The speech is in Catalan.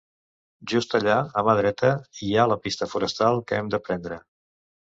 Just allà, a mà dreta, hi ha la pista forestal que hem de prendre.